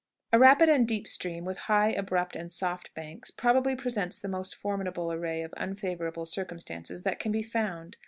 A rapid and deep stream, with high, abrupt, and soft banks, probably presents the most formidable array of unfavorable circumstances that can be found.